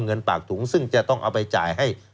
เงินปากถุงซึ่งจะต้องเอาไปจ่ายให้